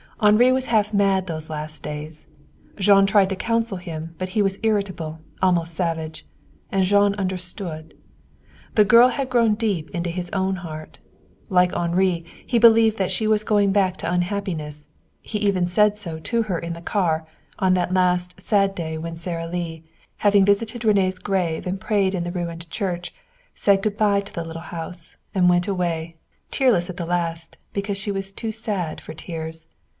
Henri was half mad those last days. Jean tried to counsel him, but he was irritable, almost savage. And Jean understood. The girl had grown deep into his own heart. Like Henri, he believed that she was going back to unhappiness; he even said so to her in the car, on that last sad day when Sara Lee, having visited René's grave and prayed in the ruined church, said good by to the little house, and went away, tearless at the last, because she was too sad for tears.